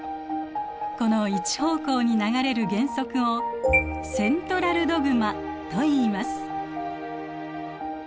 この一方向に流れる原則を「セントラルドグマ」といいます。